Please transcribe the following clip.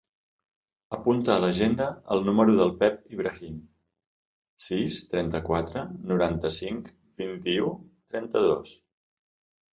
Apunta a l'agenda el número del Pep Ibrahim: sis, trenta-quatre, noranta-cinc, vint-i-u, trenta-dos.